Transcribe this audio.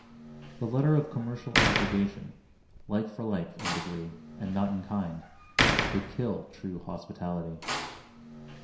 The letter of commercial obligation, like for like, in degree, and not in kind, would kill true hospitality.